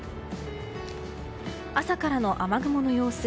朝からの雨雲の様子。